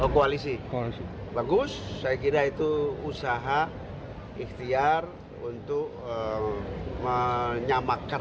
koalisi bagus saya kira itu usaha ikhtiar untuk menyamakan